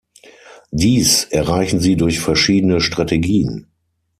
Dies erreichen sie durch verschiedene Strategien.